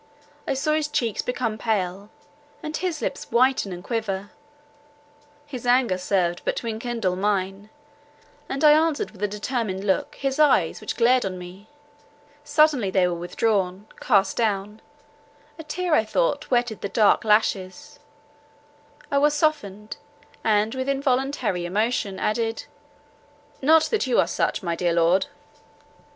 I saw his cheeks become pale, and his lips whiten and quiver; his anger served but to enkindle mine, and I answered with a determined look his eyes which glared on me; suddenly they were withdrawn, cast down, a tear, I thought, wetted the dark lashes; I was softened, and with involuntary emotion added, "Not that you are such, my dear lord."